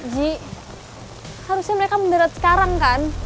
ji harusnya mereka mendarat sekarang kan